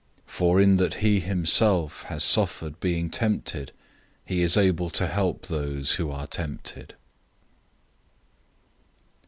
002:018 For in that he himself has suffered being tempted, he is able to help those who are tempted.